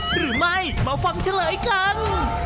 หรือไม่มาฟังเฉลยกัน